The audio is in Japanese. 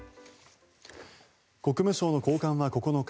国務省の高官は９日